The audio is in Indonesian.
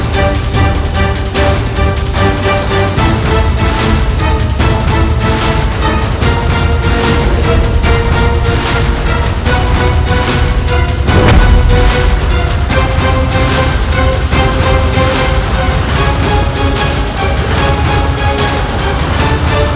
sampai jumpa lagi